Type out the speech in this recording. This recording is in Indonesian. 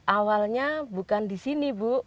awalnya bukan di sini bu